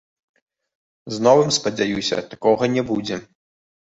З новым, спадзяюся, такога не будзе.